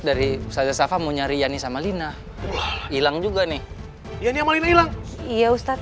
dari ustazah sava mau nyari yani sama lina ilang juga nih yani sama lina ilang iya ustaz